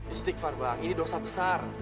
istighfar bang ini dosa besar